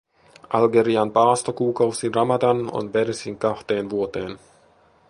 Algerian paastokuukausi ramadan on verisin kahteen vuoteen.